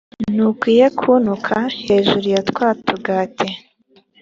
ntukwiye kuntuka hejuru ya twa tugati.